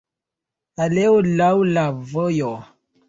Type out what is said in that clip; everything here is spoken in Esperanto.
Aleo laŭ la vojo.